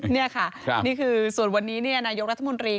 นี่ค่ะนี่คือส่วนวันนี้นายกรัฐมนตรี